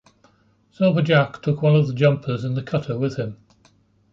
Silver Jack took one of the jumpers in the cutter with him.